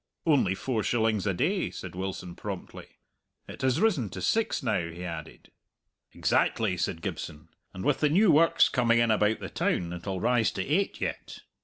"Only four shillings a day," said Wilson promptly. "It has risen to six now," he added. "Exactly," said Gibson; "and with the new works coming in about the town it'll rise to eight yet.